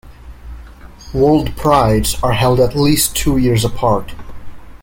WorldPrides are held at least two years apart.